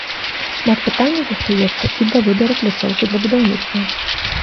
Шмат пытанняў застаецца і да выбару пляцоўкі для будаўніцтва.